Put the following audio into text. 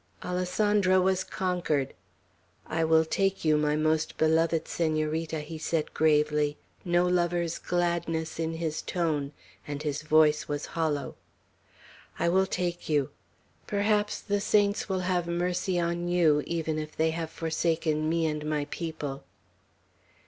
Alessandro was conquered. "I will take you, my most beloved Senorita," he said gravely, no lover's gladness in his tone, and his voice was hollow; "I will take you. Perhaps the saints will have mercy on you, even if they have forsaken me and my people!"